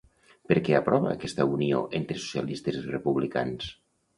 Per què aprova aquesta unió entre socialistes i republicans?